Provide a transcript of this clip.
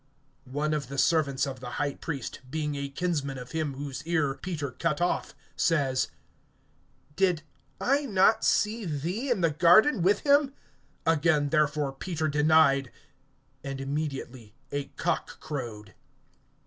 (26)One of the servants of the high priest, being a kinsman of him whose ear Peter cut off, says: Did not I see thee in the garden with him? (27)Again therefore Peter denied; and immediately a cock crowed.